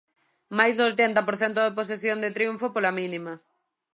Máis do oitenta por cento de posesión e triunfo pola mínima.